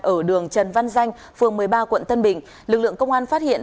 ở đường trần văn danh phường một mươi ba quận tân bình lực lượng công an phát hiện